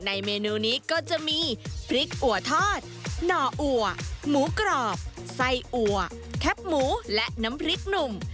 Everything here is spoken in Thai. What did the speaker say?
เมนูนี้ก็จะมีพริกอัวทอดหน่ออัวหมูกรอบไส้อัวแคบหมูและน้ำพริกหนุ่ม